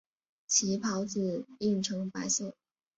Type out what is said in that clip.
其孢子印呈白色。